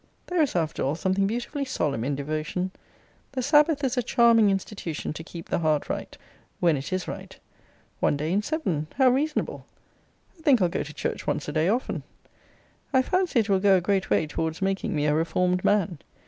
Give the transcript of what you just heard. There is, after all, something beautifully solemn in devotion. The Sabbath is a charming institution to keep the heart right, when it is right. One day in seven, how reasonable! I think I'll go to church once a day often. I fancy it will go a great way towards making me a reformed man.